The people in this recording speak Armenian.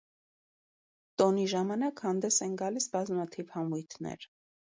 Տոնի ժամանակ հանդես են գալիս բազմաթիվ համույթներ։